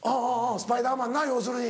スパイダーマンな要するに。